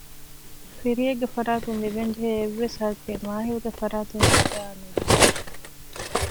ފިރިއެއްގެ ފަރާތުން ލިބެންޖެހޭ އެއްވެސް ހައްގެއް މާހިލްގެ ފަރާތުން ސަޖާއަށް ނުލިބޭ